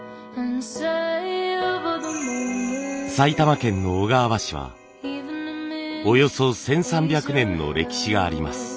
埼玉県の小川和紙はおよそ１，３００年の歴史があります。